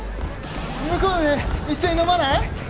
向こうで一緒に飲まない？